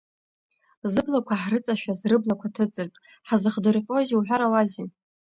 Зыблақәа ҳрыҵашәаз рыблақәа ҭыҵыртә, ҳзыхдырҟьозеи, уҳәарауазеи?!